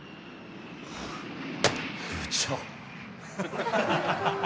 部長！